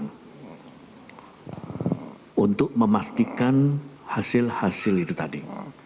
jadi kita harus lakukan pemeriksaan ulang untuk memastikan hasil hasil itu tadi